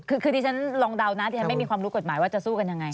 คือที่ฉันลองเดานะที่ฉันไม่มีความรู้กฎหมายว่าจะสู้กันยังไง